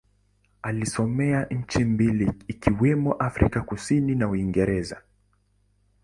Alisomea nchi mbili ikiwemo Afrika Kusini na Uingereza.